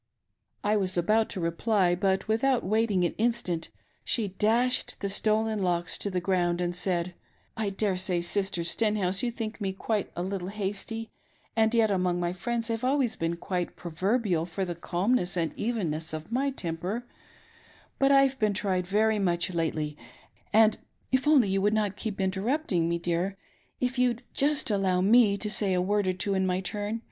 I was about to reply ; but, without waiting an instant, she dashed the stolen locks to the ground, and said —" I daresay Sister Stenhouse, you think me a little hasty, and yet among my friends I've always been quite proverbial for the calmness and evenness of my temper ; but I've been tried very much 5"8S THE PROVERBIAL CONSTANCY O? WOMEN ! lately, and — if only you wouM' not keep hiterrtipting itie, dear !— if you'd just allow me to say a word of two in my turn